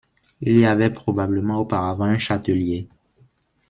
Il y avait probablement auparavant un châtelier.